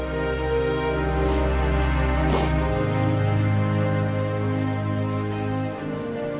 masih sekolah cari uang